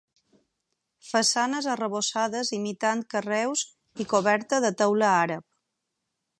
Façanes arrebossades imitant carreus i coberta de teula àrab.